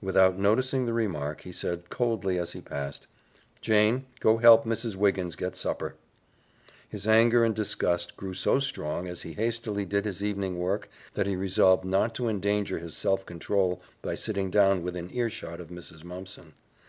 Without noticing the remark he said coldly as he passed, "Jane, go help Mrs. Wiggins get supper." His anger and disgust grew so strong as he hastily did his evening work that he resolved not to endanger his self control by sitting down within earshot of Mrs. Mumpson.